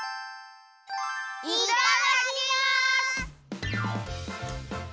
いただきます！